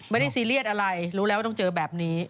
ซีเรียสอะไรรู้แล้วว่าต้องเจอแบบนี้